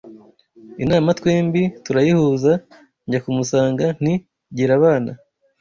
Inama twembi turayihuza Njya kumusanga nti “gira abana”